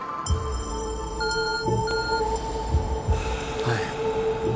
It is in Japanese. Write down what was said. はい